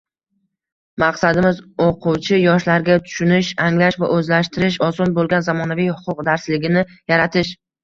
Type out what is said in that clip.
Maqsadimiz oʻquvchi yoshlarga tushunish, anglash va oʻzlashtirish oson boʻlgan zamonaviy huquq darsligini yaratish.